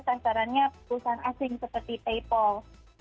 sasarannya perusahaan asing seperti paypal